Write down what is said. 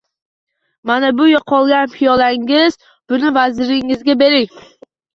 Mana bu yo‘qolgan piyolangiz, buni vaziringizga bering